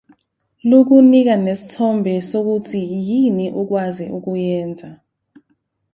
Lukunika nesithombe sokuthi yini okwazi ukuyenza.